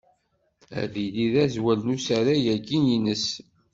Ad yili d azwel n usarag-agi-ines.